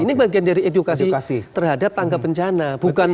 ini bagian dari edukasi terhadap tangga bencana